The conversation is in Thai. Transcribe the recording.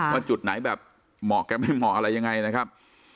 ว่าจุดไหนแบบเหมาะแกไม่เหมาะอะไรยังไงนะครับ